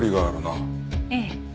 ええ。